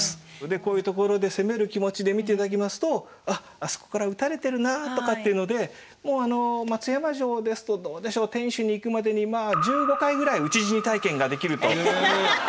こういうところで攻める気持ちで見ていただきますとあっあそこから撃たれてるなあとかっていうのでもうあの松山城ですとどうでしょう天守に行くまでにまあ１５回ぐらい討ち死に体験ができると。